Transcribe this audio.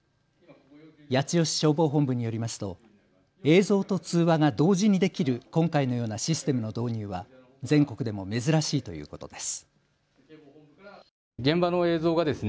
八千代市消防本部によりますと映像と通話が同時にできる今回のようなシステムの導入は全国でも珍しいということです。